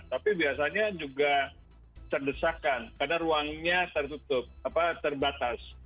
tapi biasanya juga terdesakkan karena ruangnya tertutup terbatas